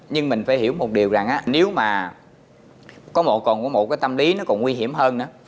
nhưng mình phải hiểu một điều rằng á nếu mà có một cái tâm lý nó còn nguy hiểm hơn đó